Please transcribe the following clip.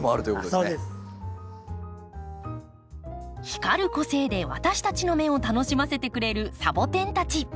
光る個性で私たちの目を楽しませてくれるサボテンたち。